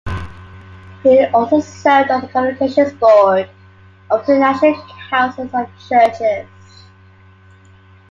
He also served on the Communications Board of the National Council of Churches.